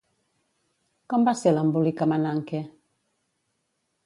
Com va ser l'embolic amb Ananke?